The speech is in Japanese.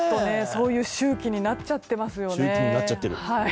そういう周期になっちゃってますよね。